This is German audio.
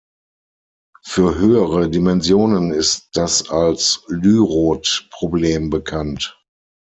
Für höhere Dimensionen ist das als Lüroth-Problem bekannt.